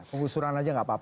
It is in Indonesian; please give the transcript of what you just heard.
penggusuran aja gak apa apa